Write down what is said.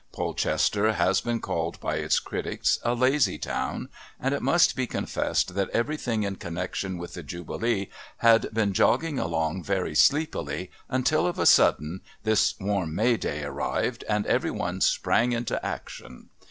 Polchester has been called by its critics "a lazy town," and it must be confessed that everything in connection with the Jubilee had been jogging along very sleepily until of a sudden this warm May day arrived, and every one sprang into action.